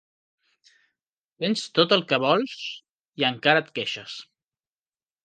Tens tot el que vols i encara et queixes.